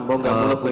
mau gak mau kehitaman